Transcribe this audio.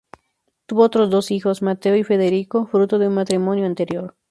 Tuvo otros dos hijos, Mateo y Federico, fruto de un matrimonio anterior.